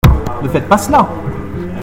Ne faites pas cela !